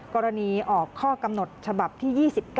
กรณีออกข้อกำหนดฉบับที่๒๙